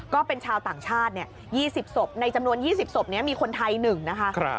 ก็เป็นชาวต่างชาติ๒๐ศพในจำนวน๒๐ศพนี้มีคนไทย๑นะคะ